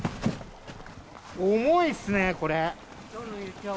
重いっすね、これ。